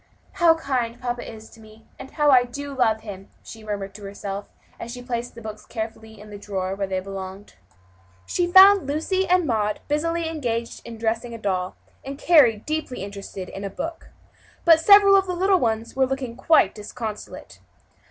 "How kind papa is to me, and how I do love him!" she murmured to herself as she placed the books carefully in the drawer where they belonged. She found Lucy and Mary busily engaged in dressing a doll, and Carry deeply interested in a book. But several of the little ones were looking quite disconsolate.